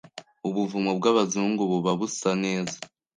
ubuvumo bwabazungu bubabusaneza